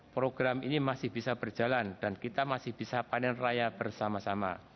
program ini masih bisa berjalan dan kita masih bisa panen raya bersama sama